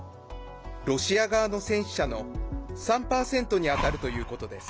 ロシア側の戦死者の３％に当たるということです。